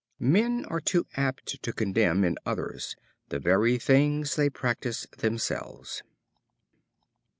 Men are too apt to condemn in others the very things they practice themselves.